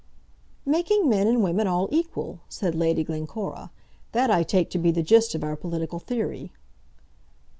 "Making men and women all equal," said Lady Glencora. "That I take to be the gist of our political theory."